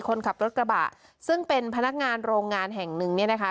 คนขับรถกระบะซึ่งเป็นพนักงานโรงงานแห่งหนึ่งเนี่ยนะคะ